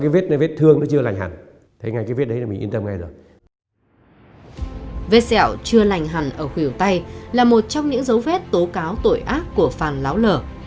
vết xẹo chưa lành hẳn ở khỉu tay là một trong những dấu vết tố cáo tội ác của phan láo nở